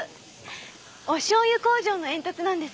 おしょうゆ工場の煙突なんです。